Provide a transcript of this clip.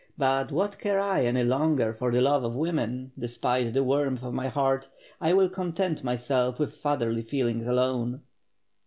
But what care I any longer for the love of women, despite the warmth 'of my heart — ^I will content myself with fatherly feelings alone."